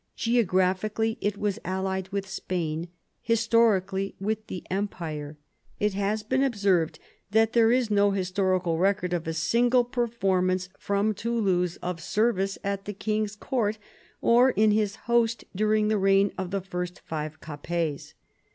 Geographically, it was allied with Spain ; historically, with the Empire. It has been observed that there is no historical record of a single performance from Toulouse of service at the king's court or in his host during the reign of the first five Capets.